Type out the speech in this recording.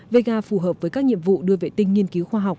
vega phù hợp với các nhiệm vụ đưa vệ tinh nghiên cứu khoa học